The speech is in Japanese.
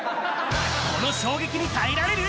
この衝撃に耐えられる？